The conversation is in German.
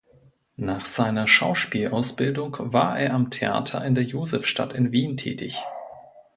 Nach seiner Schauspielausbildung war er am Theater in der Josefstadt in Wien tätig.